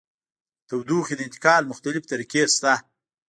د تودوخې د انتقال مختلفې طریقې شته.